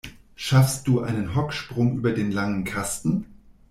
Schaffst du einen Hocksprung über den langen Kasten?